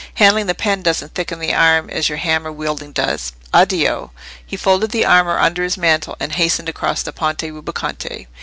Handling the pen doesn't thicken the arm as your hammer wielding does. Addio!" He folded the armour under his mantle, and hastened across the Ponte Rubaconte.